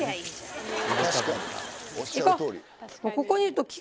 ここにいると。